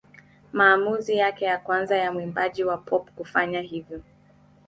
Maamuzi yake ya kwanza ya mwimbaji wa pop kufanya hivyo.